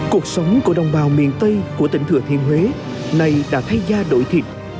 cuộc sống của đồng bào miền tây của tỉnh thừa thiên huế này đã thay ra đổi thịt